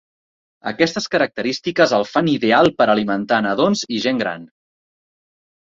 Aquestes característiques el fan ideal per alimentar a nadons i gent gran.